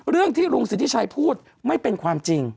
เรื่องที่ลุงสิทธิชัยพูดไม่เป็นความจริง